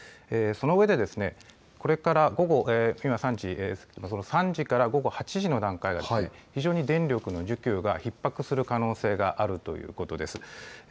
そのうえでこれから今３時ですが午後３時から８時の段階、非常に電力の需給がひっ迫する可能性があるということです。